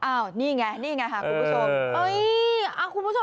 อ้าวนี่แง่อย่างเงี้ยค่ะคุณผู้ชม